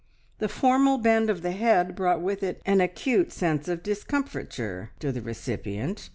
The formal bend of the head brought with it an acute sense of discomfiture to the recipient.